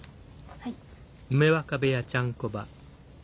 はい。